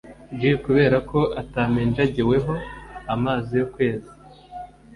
j Kubera ko ataminjagiweho amazi yo kweza